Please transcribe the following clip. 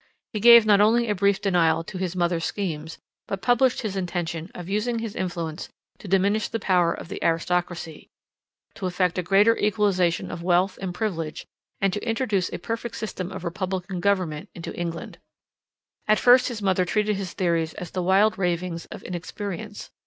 He gave not only a brief denial to his mother's schemes, but published his intention of using his influence to diminish the power of the aristocracy, to effect a greater equalization of wealth and privilege, and to introduce a perfect system of republican government into England. At first his mother treated his theories as the wild ravings of inexperience.